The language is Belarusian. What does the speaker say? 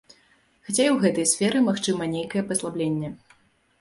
Хаця і ў гэтай сферы магчымае нейкае паслабленне.